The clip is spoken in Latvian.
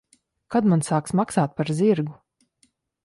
Kad man sāks maksāt par zirgu?